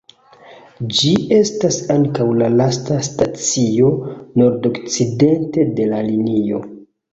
Ĝi estas ankaŭ la lasta stacio nordokcidente de la linio.